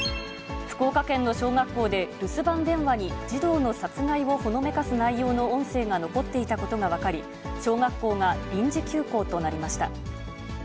福岡県の小学校で、留守番電話に児童の殺害をほのめかす内容の音声が残っていたことが分かり、小学校が臨時休校となりました。